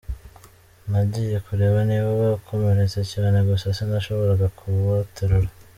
Nagiye kureba niba bakomeretse cyane gusa sinashoboraga kubaterura.